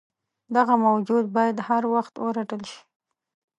دغه موجود باید هروخت ورټل شي.